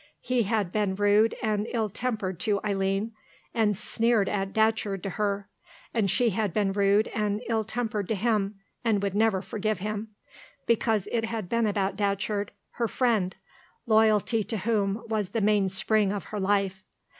He had been rude and ill tempered to Eileen, and sneered at Datcherd to her, and she had been rude and ill tempered to him, and would never forgive him, because it had been about Datcherd, her friend, loyalty to whom was the mainspring of her life.